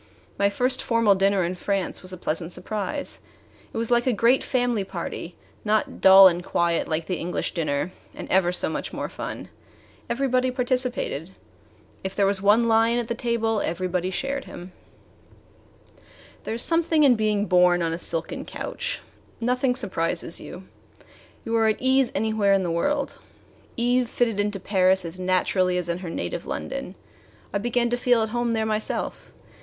My first formal dinner in France was a pleasant surprise. It was like a great family party not dull and quiet like the English dinner, and ever so much more fun. Everybody participated. If there was one lion at the table, everybody shared him. [Illustration: p060.jpg MY FIRST FORMAL DINNER IN FRANCE] There is something in being born on a silken couch. Nothing surprises you. You are at ease anywhere in the world. Eve fitted into Paris as naturally as in her native London, I began to feel at home there myself.